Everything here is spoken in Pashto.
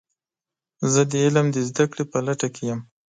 زه د علم د زده کړې په لټه کې یم.